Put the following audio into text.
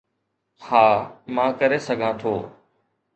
ها، مان ڪري سگهان ٿو.